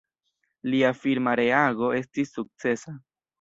Lia firma reago estis sukcesa.